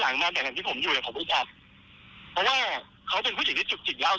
หลังมาจากที่ผมอยู่กับผมอีกครั้ง